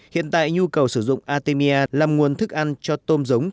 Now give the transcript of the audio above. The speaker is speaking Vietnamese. hiện tại nhu cầu sử dụng artemia làm nguồn thức ăn cho tôm giống